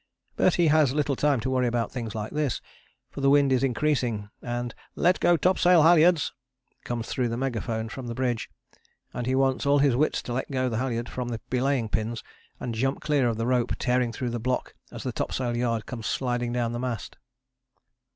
But he has little time to worry about things like this, for the wind is increasing and "Let go topsail halyards" comes through the megaphone from the bridge, and he wants all his wits to let go the halyard from the belaying pins and jump clear of the rope tearing through the block as the topsail yard comes sliding down the mast.